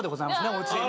おうちで。